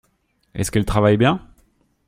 Est-ce qu’elle travaille bien ?